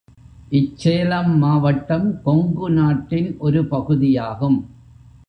இச்சேலம் மாவட்டம் கொங்குநாட்டின் ஒரு பகுதியாகும்.